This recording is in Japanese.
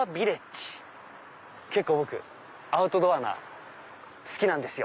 僕アウトドアが好きなんですよ。